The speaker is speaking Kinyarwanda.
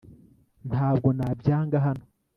ntabwo nabyanga hano